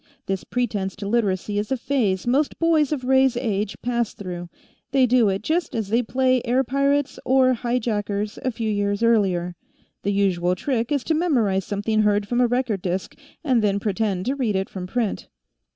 This pretense to Literacy is a phase most boys of Ray's age pass through; they do it just as they play air pirates or hi jackers a few years earlier. The usual trick is to memorize something heard from a record disk, and then pretend to read it from print."